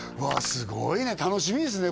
すごいね楽しみですね